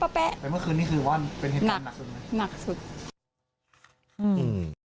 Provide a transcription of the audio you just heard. แต่เมื่อคืนนี้คือว่าเป็นเหตุการณ์หนักสุดไหมหนักสุดอืม